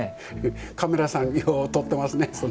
カメラさん、よう撮ってますね。